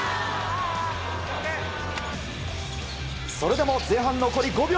それでも前半残り５秒。